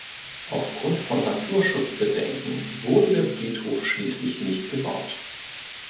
Aufgrund von Naturschutz-Bedenken wurde der Friedhof schließlich nicht gebaut.